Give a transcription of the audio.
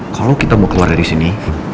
kalau kita mau keluar dari sini